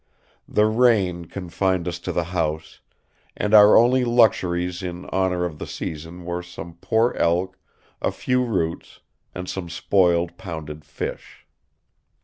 The rain confined us to the house, and our only luxuries in honor of the season were some poor elk, a few roots, and some spoiled pounded fish."